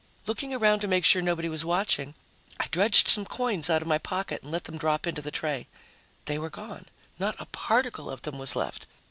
Looking around to make sure nobody was watching, I dredged some coins out of my pocket and let them drop into the tray. They were gone. Not a particle of them was left.